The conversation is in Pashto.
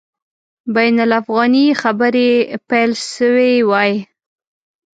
بین الافغاني خبري پیل سوي وای.